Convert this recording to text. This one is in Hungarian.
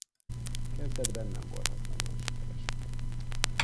Kezdetben nem voltak nagyon sikeresek.